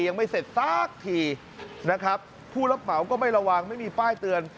ยังไม่เสร็จสักทีนะครับผู้รับเหมาก็ไม่ระวังไม่มีป้ายเตือน